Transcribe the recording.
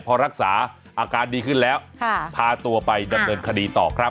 พอรักษาอาการดีขึ้นแล้วพาตัวไปดำเนินคดีต่อครับ